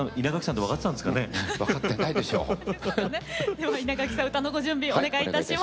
では稲垣さん歌のご準備お願いいたします。